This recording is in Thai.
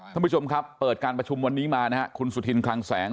ท่านผู้ชมครับเปิดการประชุมวันนี้มานะฮะคุณสุธินคลังแสง